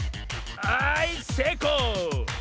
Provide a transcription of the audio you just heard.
はいせいこう！